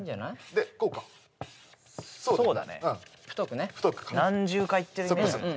でこうかそうだね太くね何重かいってるイメージだよね